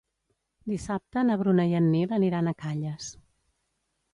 Dissabte na Bruna i en Nil aniran a Calles.